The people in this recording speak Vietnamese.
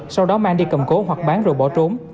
sau đó mang đi cầm cố hoặc bán rồi bỏ trốn